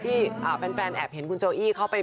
ที่แฟนแอบเห็นคุณโจอี้เข้าไป